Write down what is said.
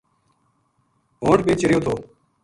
ہونٹ بے چریو تھو